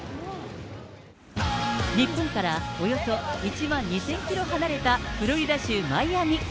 日本からおよそ１万２０００キロ離れたフロリダ州マイアミ。